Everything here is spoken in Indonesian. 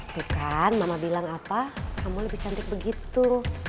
tuh kan mama bilang apa kamu lebih cantik begitu